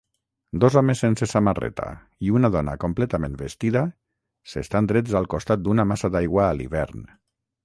Dos homes sense samarreta i una dona completament vestida s'estan drets al costat d'una massa d'aigua a l'hivern.